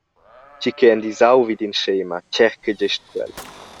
Tgi ch’ei endisau vid in schema, tscherca gest quel.